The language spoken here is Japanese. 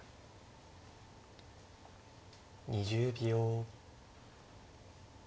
２０秒。